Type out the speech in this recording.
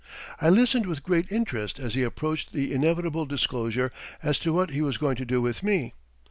I listened with great interest as he approached the inevitable disclosure as to what he was going to do with me.